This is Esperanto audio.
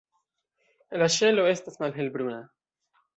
La ŝelo estas malhelbruna.